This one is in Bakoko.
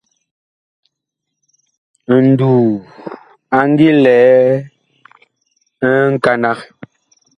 Nduu a ngi lɛ nkanag.